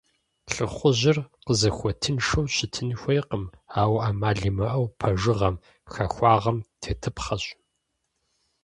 Лӏыхъужьыр къызыхуэтыншэу щытын хуейкъым, ауэ ӏэмал имыӏэу пэжыгъэм, хахуагъэм тетыпхъэщ.